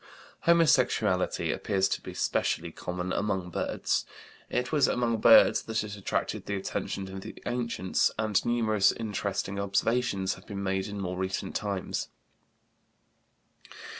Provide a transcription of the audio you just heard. Homosexuality appears to be specially common among birds. It was among birds that it attracted the attention of the ancients, and numerous interesting observations have been made in more recent times.